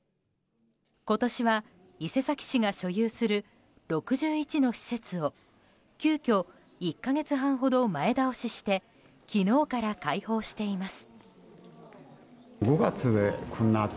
今年は伊勢崎市が所有する６１の施設を急遽１か月半ほど前倒しして昨日から開放しています。